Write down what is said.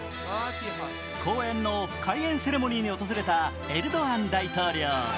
公園の開園セレモニーに訪れたエルドアン大統領。